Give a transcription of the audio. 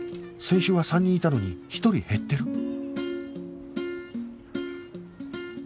先週は３人いたのに１人減ってる